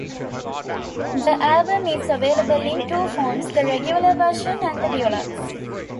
The album is available in two forms: the regular version and the deluxe.